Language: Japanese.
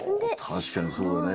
たしかにそうだね。